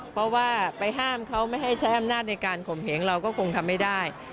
เพราะว่าไปห้ามเขาไม่ให้ใช้อำนาจในการข่มเหงเราก็คงทำไม่ได้